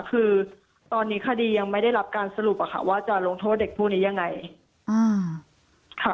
คือตอนนี้คดียังไม่ได้รับการสรุปอะค่ะว่าจะลงโทษเด็กผู้นี้ยังไง